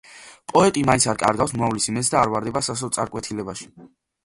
პოეტი მაინც არ კარგავს მომავლის იმედს და არ ვარდება სასოწარკვეთილებაში.